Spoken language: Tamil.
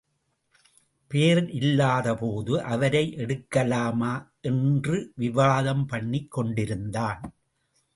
பெயர் இல்லாதபோது அவரை எடுக்கலாமா? என்று விவாதம் பண்ணிக் கொண்டிருந்தான்.